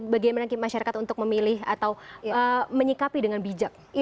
bagaimana masyarakat untuk memilih atau menyikapi dengan bijak